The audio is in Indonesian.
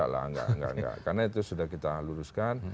enggak enggak karena itu sudah kita luruskan